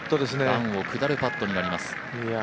段を下るパットになります。